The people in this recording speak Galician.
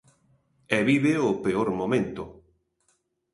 E vive o peor momento.